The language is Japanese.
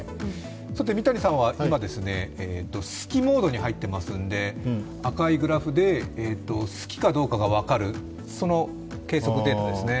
三谷さんは今、好きモードに入っていますので赤いグラフで好きかどうかが分かる、その計測データですね。